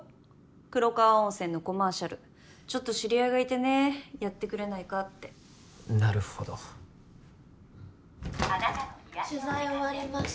黒川温泉のコマーシャルちょっと知り合いがいてねやってくれないかってなるほどあなたの癒やしの時間です